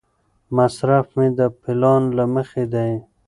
مصرف مې د پلان له مخې دی.